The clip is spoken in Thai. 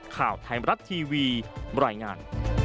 ข่าวไทยมรัฐทีวีบรรยายงาน